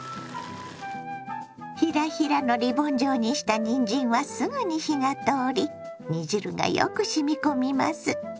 ヒラヒラのリボン状にしたにんじんはすぐに火が通り煮汁がよくしみ込みます。